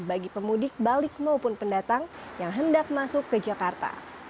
bagi pemudik balik maupun pendatang yang hendak masuk ke jakarta